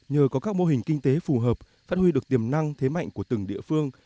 nhờ có các mô hình kinh tế phù hợp phát huy được tiềm năng thế mạnh của từng địa phương